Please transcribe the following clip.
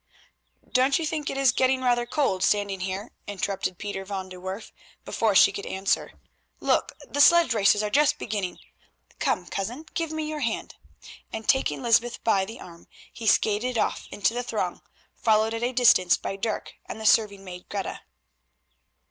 "Don't you think that it is getting rather cold standing here?" interrupted Pieter van de Werff before she could answer. "Look, the sledge races are just beginning. Come, cousin, give me your hand," and, taking Lysbeth by the arm, he skated off into the throng, followed at a distance by Dirk and the serving maid, Greta.